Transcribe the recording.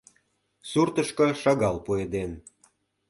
Суртышко шагал пуэден.